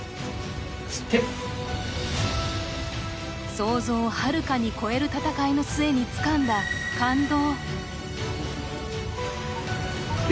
想像をはるかに超える戦いの末につかんだ感動。